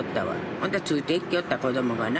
ほんで、ついていきよった、子どもがな。